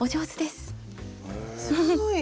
すごい。